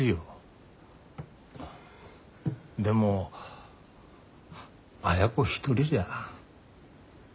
でも亜哉子一人じゃ。